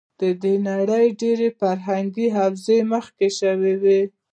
د نړۍ ډېری فرهنګې حوزې مخ شوې وې.